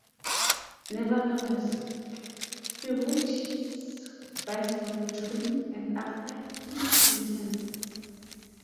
Nevertheless, he wrote his best work during and after his sentence.